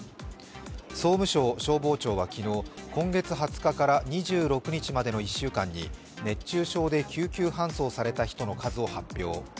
総務省消防庁は昨日今月２０日から２６日までの１週間に熱中症で救急搬送された人の数を発表。